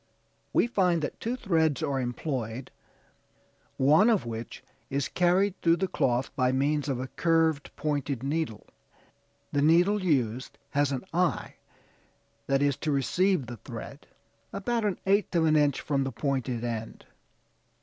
We find that two threads are employed, one of which is carried through the cloth by means of a curved pointed needle; the needle used has the eye that is to receive the thread, about an eighth of an inch from the pointed end.